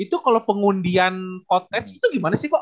itu kalo pengundian konteks itu gimana sih ko